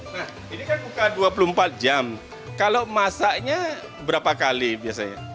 nah ini kan buka dua puluh empat jam kalau masaknya berapa kali biasanya